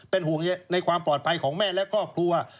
เป็นห่วงในความปลอดภัยของแม่และครอบครัว